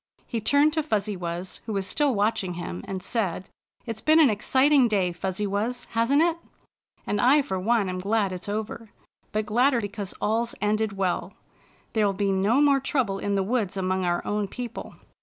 He turned to Fuzzy Wuzz, who was still watching him, and said: " It's been an exciting day. Fuzzy Wuzz, hasn't it? And I for one am glad it's over, but gladder because all's ended well. There'll be no more trouble in the woods among our own people."